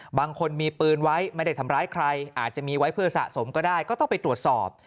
บางคนมีปืนไว้ไม่ได้ทำร้ายใครอาจจะมีไว้เพื่อสะสมก็ได้ก็ต้องไปตรวจสอบ